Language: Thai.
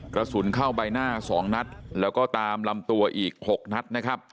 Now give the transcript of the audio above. กระสุนเข้าใบหน้า๒นัดแล้วก็ตามลำตัวอีก๖นัดนะครับ